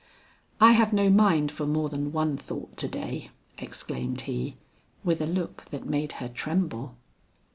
I have no mind for more than one thought to day," exclaimed he, with a look that made her tremble.